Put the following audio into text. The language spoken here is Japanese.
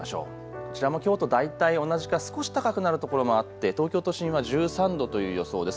こちらもきょうと大体同じか少し高くなるところもあって東京都心は１３度という予想です。